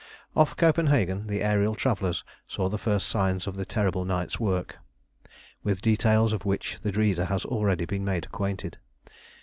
Off Copenhagen the aërial travellers saw the first signs of the terrible night's work, with the details of which the reader has already been made acquainted.